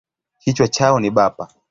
Kichwa chao ni bapa.